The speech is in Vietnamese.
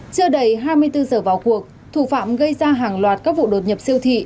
chưa đầy hai mươi bốn giờ vào cuộc thủ phạm gây ra hàng loạt các vụ đột nhập siêu thị